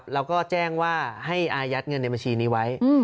แล้วก็แจ้งว่าให้อายัดเงินในบัญชีนี้ไว้